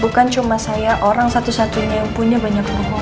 bukan cuma saya orang satu satunya yang punya banyak tokoh